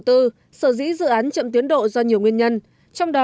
trong đó có một số dự án chậm tuyến độ do nhiều nguyên nhân